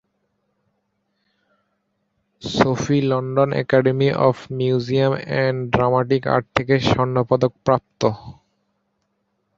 Sophie London Academy of Music and Dramatic Art থেকে স্বর্ণ পদকপ্রাপ্ত।